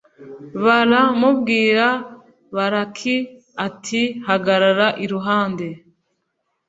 Bal mu abwira balaki ati hagarara iruhande